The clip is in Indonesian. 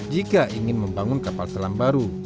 jika ingin membangun kapal selam baru